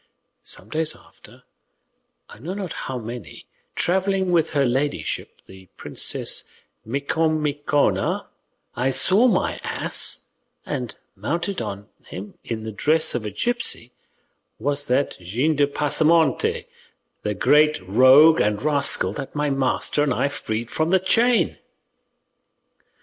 Some days after, I know not how many, travelling with her ladyship the Princess Micomicona, I saw my ass, and mounted upon him, in the dress of a gipsy, was that Gines de Pasamonte, the great rogue and rascal that my master and I freed from the chain."